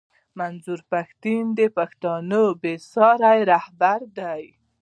منظور پښتون د پښتنو بې ساری رهبر دی